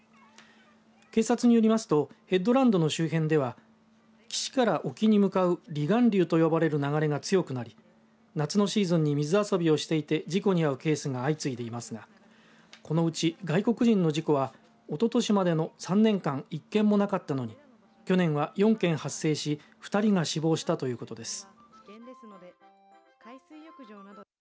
警察によりますとヘッドランド周辺では岸から沖に向かう離岸流と呼ばれる流れが強くなり夏のシーズンに水遊びをしていて事故に遭うケースが相次いでいますがこのうち外国人の事故はおととしまでの３年間１件もなかったのに去年は４件発生し２人が死亡したということです。